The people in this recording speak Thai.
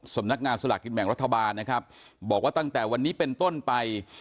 สำนักงานสลากกินแบ่งรัฐบาลนะครับบอกว่าตั้งแต่วันนี้เป็นต้นไป